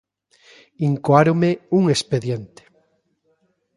_Incoáronme un expediente.